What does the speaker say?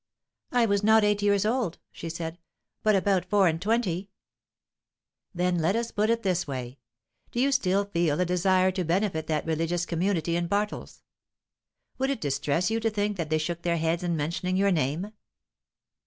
"I was not eight years old," she said, "but about four and twenty." "Then let us put it in this way. Do you still feel a desire to benefit that religious community in Bartles? Would it distress you to think that they shook their heads in mentioning your name?"